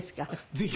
ぜひ。